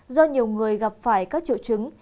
do nhiều người gặp phải các triệu chứng